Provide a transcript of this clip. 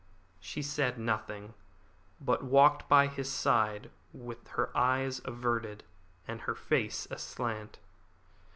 She said nothing, but walked by his side with her eyes averted and her face aslant.